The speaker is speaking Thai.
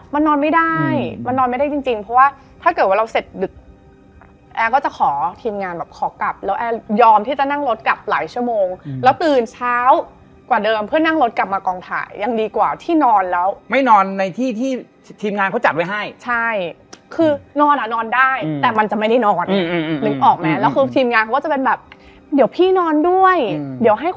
มันไม่ปกติแล้วเพราะโก๊ไม่ใช่คนแบบนี้